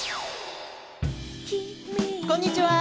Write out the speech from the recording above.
こんにちは。